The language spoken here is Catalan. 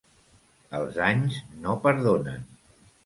Els anys no perdonen.